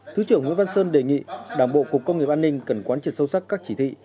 thứ trưởng nguyễn văn sơn đề nghị đảng bộ cục công nghiệp an ninh cần quan trị sâu sắc các chỉ thị